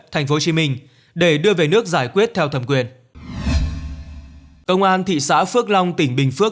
của tp hcm để đưa về nước giải quyết theo thẩm quyền công an thị xã phước long tỉnh bình phước